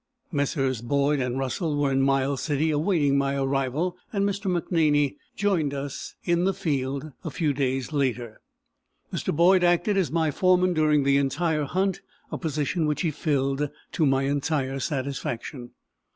Messrs. Boyd and Russell were in Miles City awaiting my arrival, and Mr. McNaney joined us in the field a few days later. Mr. Boyd acted as my foreman during the entire hunt, a position which he filled to my entire satisfaction.